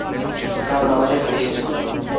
কারণ আমাদের হারিয়েছ।